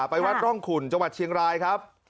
ไปวัดร่องขุ่นจังหวัดเชียงรายครับ